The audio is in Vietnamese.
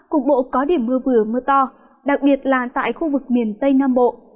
cục bộ có điểm mưa vừa mưa to đặc biệt là tại khu vực miền tây nam bộ